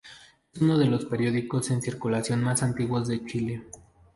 Es uno de los periódicos en circulación más antiguos de Chile.